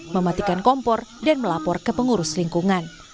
mematikan kompor dan melapor ke pengurus lingkungan